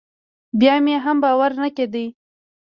بيا مې هم باور نه کېده.